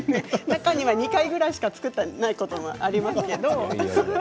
中には２回ぐらいしか作ったことないものもありますけど。